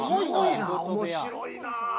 面白いな。